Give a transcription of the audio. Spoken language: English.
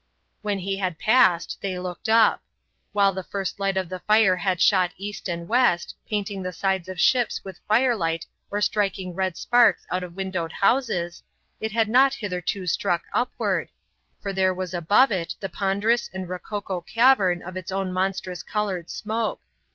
When he had passed they looked up. While the first light of the fire had shot east and west, painting the sides of ships with fire light or striking red sparks out of windowed houses, it had not hitherto struck upward, for there was above it the ponderous and rococo cavern of its own monstrous coloured smoke.